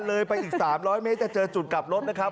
เลยไปอีก๓๐๐เมตรจะเจอจุดกลับรถนะครับ